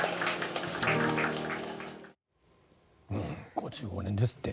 ５５年ですって。